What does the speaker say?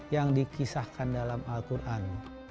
yang dikisahkan dalam al quran